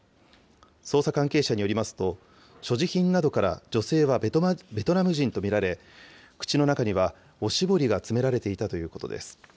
捜査関係者によりますと、所持品などから女性はベトナム人と見られ、口の中にはおしぼりが詰められていたということです。